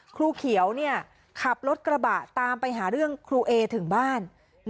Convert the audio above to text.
ครูเขียวขับรถกระบะตามไปหาเรื่องครูเอถึงบ้าน